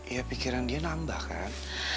ya pikiran dia nambah kan